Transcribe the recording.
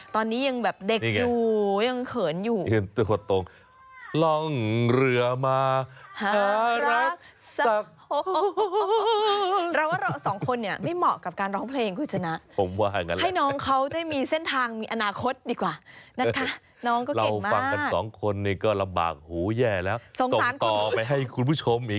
ตอนนี้ยังแบบเด็กอยู่ยังเขินอยู่